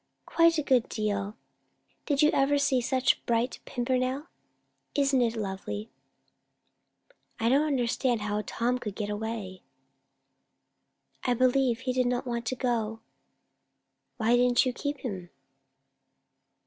"Quite a good deal. Did you ever see such bright pimpernel? Isn't it lovely?" "I don't understand how Tom could get away." "I believe he did not want to go." "Why didn't you keep him?"